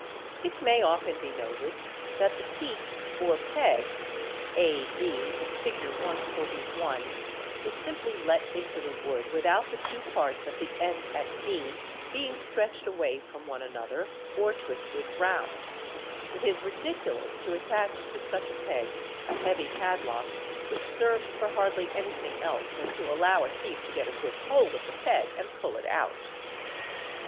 It may often be noticed that the "peak" or peg (a bin Fig. 141) is simply let into the wood without the two parts of the end at b being stretched away from one another or twisted round; it is ridiculous to attach Fig. 141. to such a peg a heavy padlock which serves for hardly any thing else than to allow a thief to get a good hold of the peg and pull it out.